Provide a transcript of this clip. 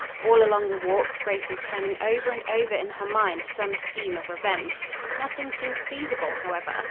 All along the walk Grace was turning over and over in her mind some scheme of revenge. Nothing seemed feasible, however.